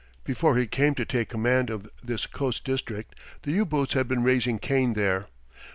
Before he came to take command of this coast district the U boats had been raising Cain there.